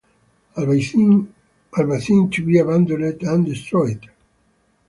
Albazin to be abandoned and destroyed.